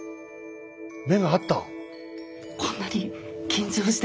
目が合った。